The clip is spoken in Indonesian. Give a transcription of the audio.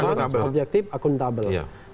transparan objektif akuntabel